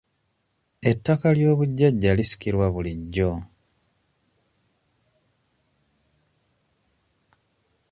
Ettaka ly'obujjaja lisikirwa bulijjo.